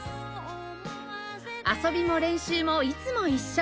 遊びも練習もいつも一緒